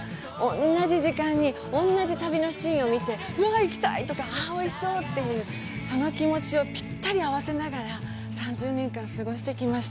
同じ時間に同じ旅のシーンを見て、うわ行きたいとか、ああ、おいしそうというその気持ちをぴったり合わせながら３０年間過ごしてきました。